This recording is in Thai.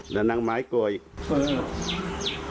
แล้วนางไม้กลัวอีก